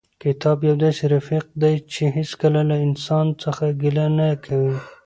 کتاب یو داسې رفیق دی چې هېڅکله له انسان څخه ګیله نه کوي.